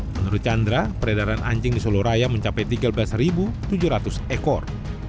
menurut chandra peredaran anjing di solo raya mencapai tiga belas tujuh ratus ekor